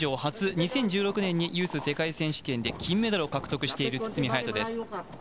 ２０１６年にユース世界選手権で金メダルを獲得している堤駿斗です